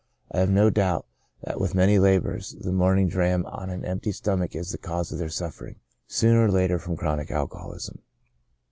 I have no doubt that with many laborers, the morning dram on an empty stomach is the cause of their suffering, sooner or later, from chronic alcoholism.